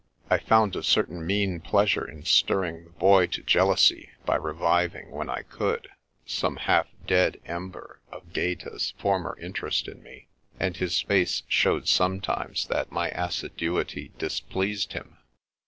I found a certain mean pleasure in stirring the Boy to jealousy by reviving, when I could, some half dead ember of Gaeta's former interest in me, and his face showed sometimes that my assiduity displeased him.